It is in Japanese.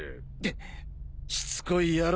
しつこい野郎だな。